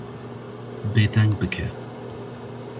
Bêdeng bike.